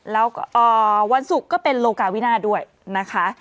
แล้ววันศุกร์ก็เป็นโลกาวินาด้วยนะคะ